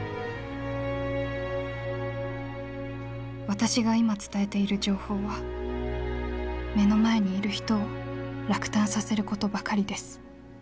「私が今伝えている情報は目の前にいる人を落胆させることばかりです。